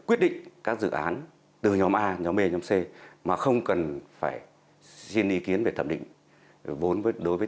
quyết định các dự án từ nhóm a nhóm b nhóm c mà không cần phải xin ý kiến về thẩm định vốn đối với